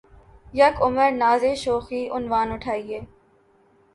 یک عمر نازِ شوخیِ عنواں اٹھایئے